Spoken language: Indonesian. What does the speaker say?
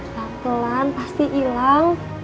pelan pelan pasti hilang